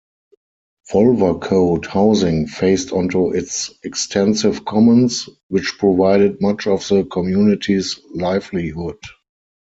Wolvercote housing faced onto its extensive commons, which provided much of the community's livelihood.